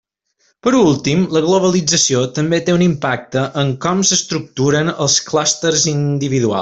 Per últim, la globalització també té un impacte en com s'estructuren els clústers individuals.